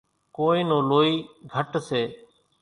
ڪونئين نون لوئي گھٽ سي۔